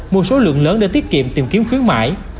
một số lượng lớn để tiết kiệm tìm kiếm khuyến mãi